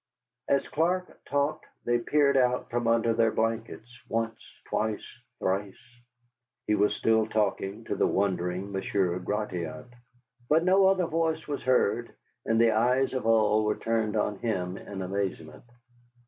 As Clark talked they peered out from under their blankets, once, twice, thrice. He was still talking to the wondering Monsieur Gratiot. But no other voice was heard, and the eyes of all were turned on him in amazement.